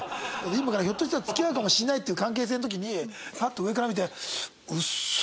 今からひょっとしたら付き合うかもしれないっていう関係性の時にふわっと上から見て。